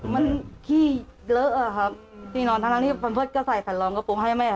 มันขี้เลอะอะครับทีนอนทางนั้นที่ฟันเพิศก็ใส่สัญลองกระโปรงให้แม่